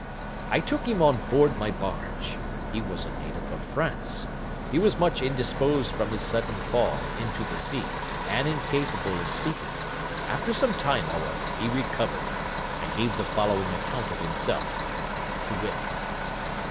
I took him on board my barge (he was a native of France): he was much indisposed from his sudden fall into the sea, and incapable of speaking; after some time, however, he recovered, and gave the following account of himself, viz.